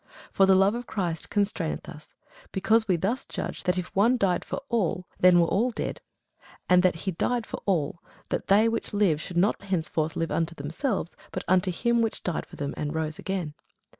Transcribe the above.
For the love of Christ constraineth us; because we thus judge, that if one died for all, then were all dead: and that he died for all, that they which live should not henceforth live unto themselves, but unto him which died for them, and rose again.